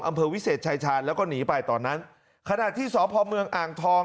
อำเภอวิเศษชายชาญแล้วก็หนีไปตอนนั้นขณะที่สพเมืองอ่างทอง